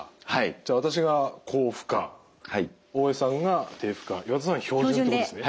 じゃあ私が高負荷大江さんが低負荷岩田さんは標準ということですね。